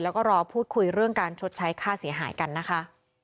แล้วก็รอพูดคุยเรื่องการชดใช้ค่าเสียหายกันนะคะ